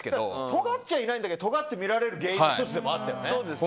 とがっちゃいないんだけどとがって見られる原因の１つではあったよね。